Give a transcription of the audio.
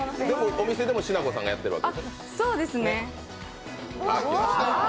お店でも、しなこさんがやってるわけでしょ？